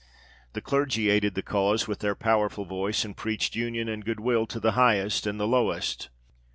The clergy aided the cause with their powerful voice, and preached union and goodwill to the highest and the lowest.